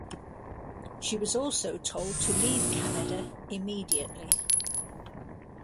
She was also told to leave Canada immediately.